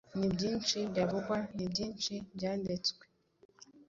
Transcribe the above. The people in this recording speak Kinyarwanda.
Ni byinshi byavugwa ni byinshi byanditswe